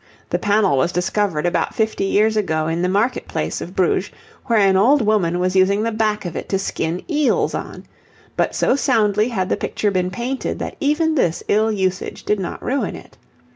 The panel was discovered about fifty years ago in the market place of Bruges, where an old woman was using the back of it to skin eels on; but so soundly had the picture been painted that even this ill usage did not ruin it.